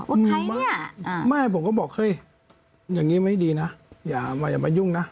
ว่าใครเนี่ยไม่ผมก็บอกเฮ้ยอย่างนี้ไม่ดีนะอย่ามายุ่งนะ